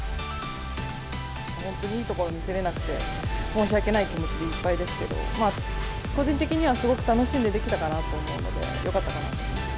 本当にいいところ見せれなくて申し訳ない気持ちでいっぱいですけど、個人的にはすごく楽しんでできたかなと思うので、よかったかなと思います。